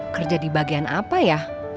kerja di bagian apa ya